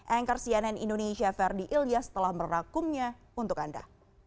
anchor cnn indonesia ferdi ilyas telah merakumnya untuk anda